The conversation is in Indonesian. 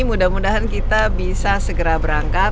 mudah mudahan kita bisa segera berangkat